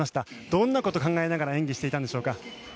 どんなことを考えながら演技をしていたんでしょうか。